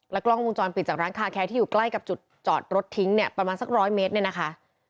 กล้องวงจรปิดจากร้านคาแคร์ที่อยู่ใกล้กับจุดจอดรถทิ้งเนี่ยประมาณสักร้อยเมตรเนี่ยนะคะ